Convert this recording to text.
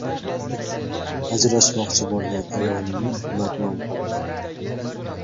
• Ajrashmoqchi bo‘lgan ayolingni badnom qilma.